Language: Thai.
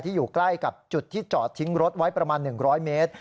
อยู่ใกล้กับจุดที่จอดทิ้งรถไว้ประมาณ๑๐๐เมตร